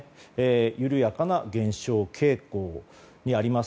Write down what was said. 緩やかな減少傾向にあります。